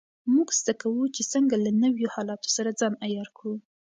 موږ زده کوو چې څنګه له نویو حالاتو سره ځان عیار کړو.